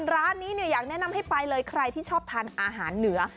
ร้านนี้เนี่ยอยากแนะนำให้ไปเลยใครที่ชอบทานอาหารเหนือ